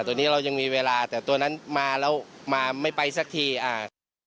ตัวนี้เรายังมีเวลาแต่ตัวนั้นมาแล้วมาไม่ไปสักทีอ่า